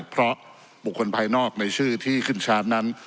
เพราะบุคคลภายนอกในชื่อที่ขึ้นชาร์จนั้น